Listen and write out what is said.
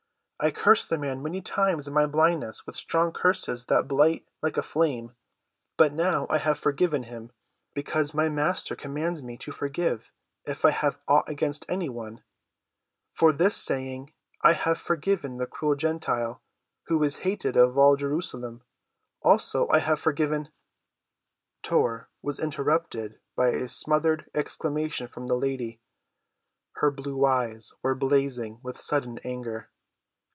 I cursed the man many times in my blindness with strong curses that blight like a flame. But now I have forgiven him, because my Master commands me to forgive if I have aught against any one. For this saying I have forgiven the cruel Gentile, who is hated of all Jerusalem; also, I have forgiven—" [Illustration: "'TAKE HIM AWAY!' SHE COMMANDED."] Tor was interrupted by a smothered exclamation from the lady. Her blue eyes were blazing with sudden anger.